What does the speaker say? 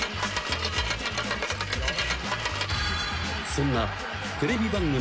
［そんなテレビ番組